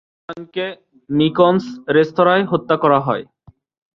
আর্দালানকে মিকোনস রেস্তোরাঁয় হত্যা করা হয়।